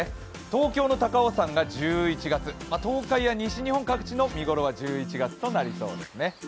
東京の高尾山が１１月、東海や西日本各地の見頃は１１月になりそうです。